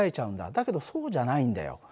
だけどそうじゃないんだよ。